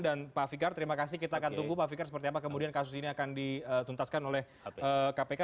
dan pak fikar terima kasih kita akan tunggu pak fikar seperti apa kemudian kasus ini akan dituntaskan oleh kpk